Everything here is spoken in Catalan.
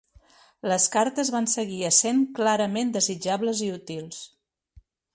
Les cartes van seguir essent clarament desitjables i útils.